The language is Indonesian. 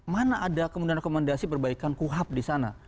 mana ada kemudian rekomendasi perbaikan kuhap di sana